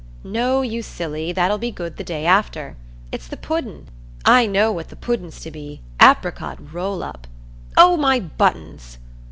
"No, you silly, that'll be good the day after. It's the pudden. I know what the pudden's to be,—apricot roll up—O my buttons!"